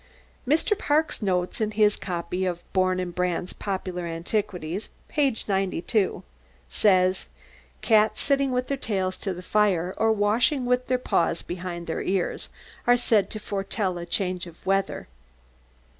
Mr. Park's note in his copy of Bourn and Brand's "Popular Antiquities," p. 92, says: "Cats sitting with their tails to the fire, or washing with their paws behind their ears, are said to foretell a change of weather."